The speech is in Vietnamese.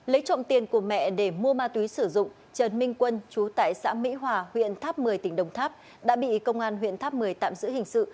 lấy trộm tiền của mẹ để mua ma túy sử dụng trần minh quân chú tại xã mỹ hòa huyện tháp một mươi tỉnh đồng tháp đã bị công an huyện tháp một mươi tạm giữ hình sự